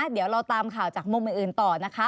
เดี๋ยวเราตามข่าวจากมุมอื่นต่อนะคะ